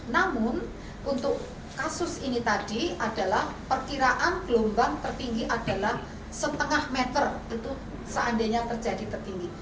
namun untuk kasus ini tadi adalah perkiraan gelombang tertinggi adalah setengah meter itu seandainya terjadi tertinggi